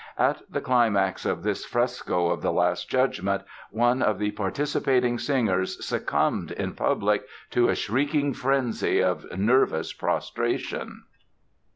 At the climax of this fresco of the Last Judgment one of the participating singers succumbed in public to a shrieking frenzy of nervous prostration!